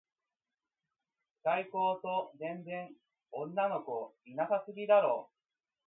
機械工と電電女の子いなさすぎだろ